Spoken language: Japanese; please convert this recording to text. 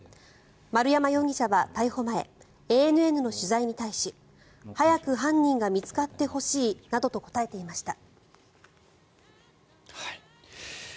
丸山容疑者は逮捕前ＡＮＮの取材に対し早く犯人が見つかってほしいなどと答えていました。